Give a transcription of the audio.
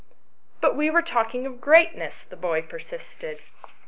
" But we were talking of greatness," the boy per sisted.